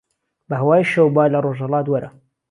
به ههوای شەوبا له ڕۆژههڵات وهره